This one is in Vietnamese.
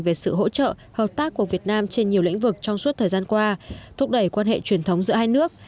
về sự hỗ trợ hợp tác của việt nam trên nhiều lĩnh vực trong suốt thời gian qua thúc đẩy quan hệ truyền thống giữa hai nước